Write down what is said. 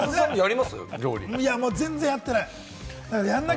全然やってない。